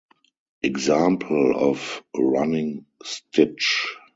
Example of running stitch.